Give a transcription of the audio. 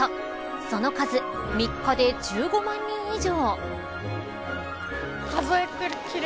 その数、３日で１５万人以上。